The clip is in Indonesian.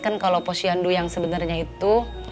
kan kalau pos cihandu yang sebenarnya itu